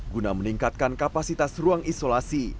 guna meningkatkan kapasitas ruang isolasi